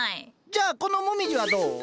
じゃあこのもみじはどう？